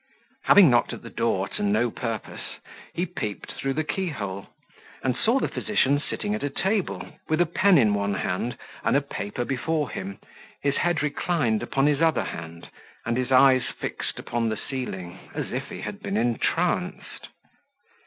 Having knocked at the door to no purpose, he peeped through the key hole, and saw the physician sitting at a table, with a pen in one hand, and paper before him, his head reclined upon his other hand, and his eyes fixed upon the ceiling, as if he had been entranced.